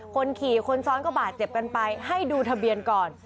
คนขี่คนซ้อนก็บาดเจ็บกันไปให้ดูทะเบียนก่อน